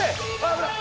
危ない！